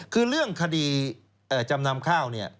คือเรื่องคดีจำนำข้าว